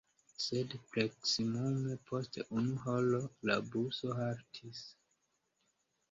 Sed proksimume post unu horo la buso haltis.